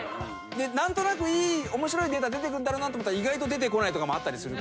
で何となく面白いネタ出てくんだろうなと思ったら意外と出てこないとかもあったりするから。